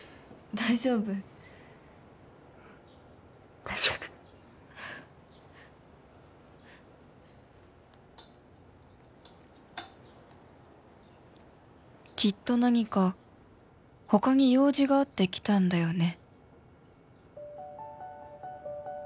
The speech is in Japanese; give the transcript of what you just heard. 大丈夫きっと何か他に用事があって来たんだよね？